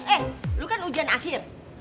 eh lu kan ujian akhir